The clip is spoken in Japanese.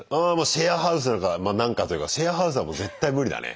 シェアハウスなんかまあ「なんか」というかシェアハウスは絶対無理だね。